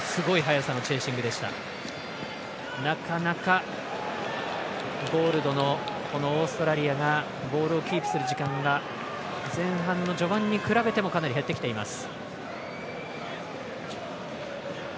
なかなかゴールドのオーストラリアがボールをキープする時間が前半の序盤に比べてもかなり減ってきています。